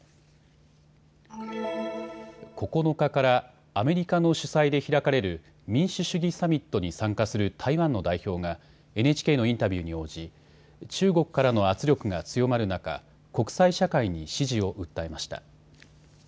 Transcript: ９日からアメリカの主催で開かれる民主主義サミットに参加する台湾の代表がＮＨＫのインタビューに応じ中国からの圧力が強まる中、国際社会に支持を訴えました。